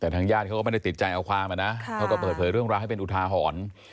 แต่ทางญาติเขาก็ไม่ได้ติดใจเอาความอะนะเขาก็เปิดเผยเรื่องราวให้เป็นอุทาหรณ์